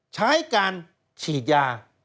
ใช้การฉีดยา